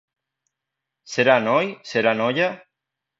Serà noi, serà noia?